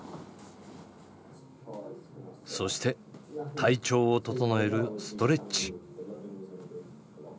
そして体調を整えるストレッチ。